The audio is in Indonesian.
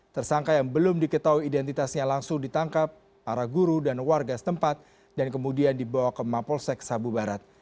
tersangka yang belum diketahui identitasnya langsung ditangkap para guru dan warga setempat dan kemudian dibawa ke mapolsek sabu barat